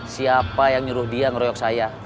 siapa yang nyuruh dia ngeroyok saya